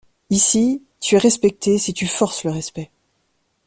Ici, tu es respecté si tu forces le respect.